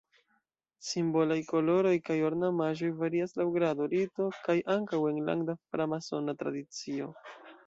Simbolaj koloroj kaj ornamaĵoj varias laŭ grado, rito kaj ankaŭ enlanda framasona tradicio.